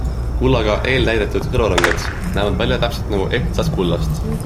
Kullaga eeltäidetud kõrvarõngad näevad välja täpselt nagu ehtsast kullast.